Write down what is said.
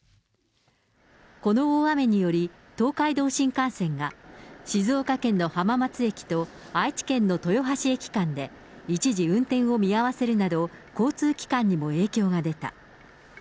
この大雨により、東海道新幹線が、静岡県の浜松駅と愛知県の豊橋駅間で一時運転を見合わせるなど、交通機関にも影響が出た。